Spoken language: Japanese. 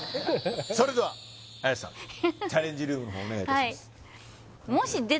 それでは綾瀬さんチャレンジルームの方にお願いいたします